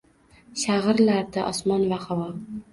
Shag’irlardi osmon va havo.